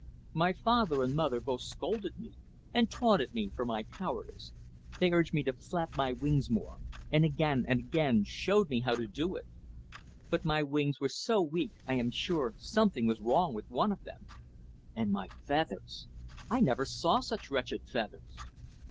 My father and mother both scolded me, and taunted me for my cowardice; they urged me to flap my wings more, and again and again showed me how to do it. But my wings were so weak I am sure something was wrong with one of them. And my feathers! I never saw such wretched feathers.